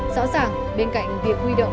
rõ ràng bên cạnh việc huy động